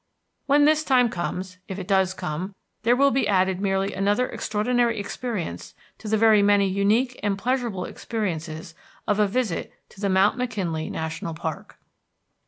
When this time comes, if it does come, there will be added merely another extraordinary experience to the very many unique and pleasurable experiences of a visit to the Mount McKinley National Park.